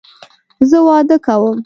زه واده کوم